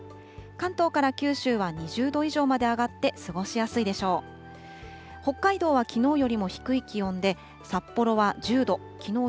関東から九州は２０度以上まで上がって、過ごしやすいでしょう。